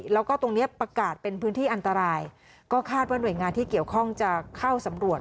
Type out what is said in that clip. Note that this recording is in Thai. แล้วก็ตรงนี้ประกาศเป็นพื้นที่อันตรายก็คาดว่าหน่วยงานที่เกี่ยวข้องจะเข้าสำรวจ